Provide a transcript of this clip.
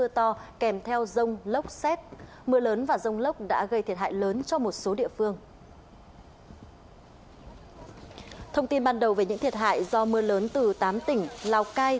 thông tin ban đầu về những thiệt hại do mưa lớn từ tám tỉnh lào cai